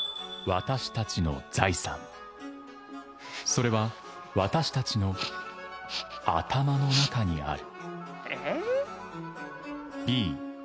「私たちの財産、それは私たちの頭の中にある。」